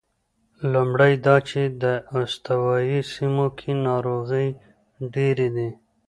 لومړی دا چې په استوایي سیمو کې ناروغۍ ډېرې دي.